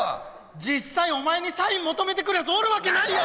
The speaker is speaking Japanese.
実際お前にサイン求めてくるやつおるわけないやろ。